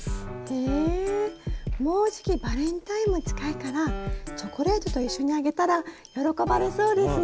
へえもうじきバレンタインも近いからチョコレートと一緒にあげたら喜ばれそうですね。